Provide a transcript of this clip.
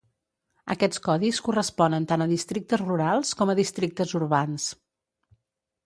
Aquests codis corresponen tant a districtes rurals com a districtes urbans.